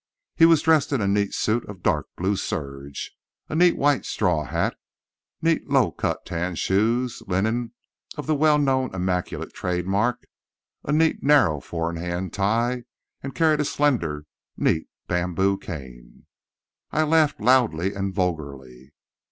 He was dressed in a neat suit of dark blue serge, a neat white straw hat, neat low cut tan shoes, linen of the well known "immaculate" trade mark, a neat, narrow four in hand tie, and carried a slender, neat bamboo cane. I laughed loudly and vulgarly.